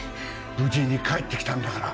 無事に帰って来たんだから。